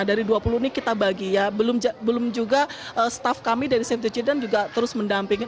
yang bagi ya belum juga staff kami dari save the children juga terus mendampingi